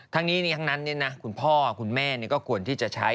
ทั้งนี้ทั้งนั้นคุณพ่อคุณแม่ก็ควรที่จะใช้